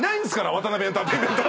ワタナベエンターテインメント。